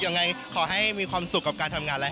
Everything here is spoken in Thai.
ยังไงขอให้มีความสุขกับการทำงานแล้ว